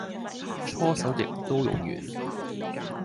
搓手液都用完